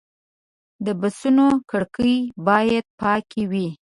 د بسونو کړکۍ باید پاکې وي.